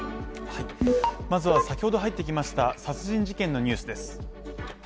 まずは先ほど入ってきました殺人事件のニュースです。